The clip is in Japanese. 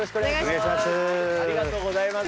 ありがとうございます。